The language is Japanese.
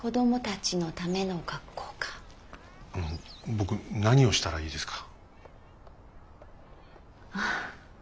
僕何をしたらいいですか？